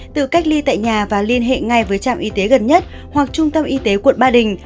tự cách ly tại nhà và liên hệ ngay với trạm y tế gần nhất hoặc trung tâm y tế quận ba đình